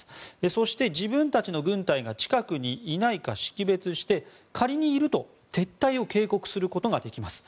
そして、自分たちの軍隊が近くにいないか識別して仮にいると撤退を警告することができます。